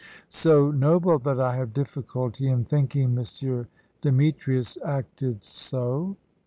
"So noble that I have difficulty in thinking M. Demetrius acted so."